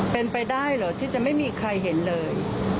เป็นไปได้เหรอที่จะไม่มีใครเห็นเลย